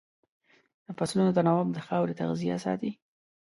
د فصلونو تناوب د خاورې تغذیه ساتي.